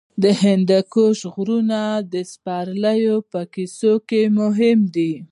د هندوکش غرونه د سپرليو په کیسو کې مهم دي.